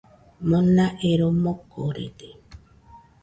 Mona ero mokorede.